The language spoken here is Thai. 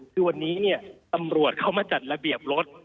คือวันนี้เนี่ยตำรวจเขามาจัดระเบียบรถ